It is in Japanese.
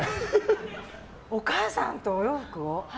お母さんとお洋服を？